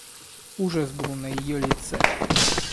Ужас был на ее лице.